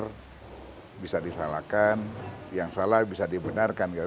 yang bisa disalahkan yang salah bisa dibenarkan gitu